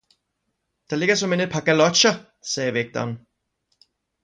"Der ligger såmænd et par galocher!" sagde vægteren.